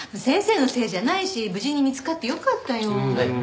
先生のせいじゃないし無事に見つかってよかったよ。